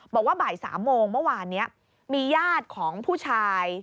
บอกว่าบ่าย๓โมงเมื่อวานนี้มีญาติของผู้ชาย